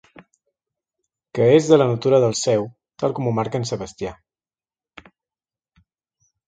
Que és de la natura del sèu, tal com ho marca en Sebastià.